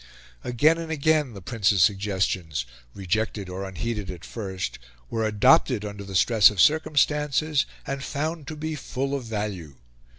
Again and again the Prince's suggestions, rejected or unheeded at first, were adopted under the stress of circumstances and found to be full of value.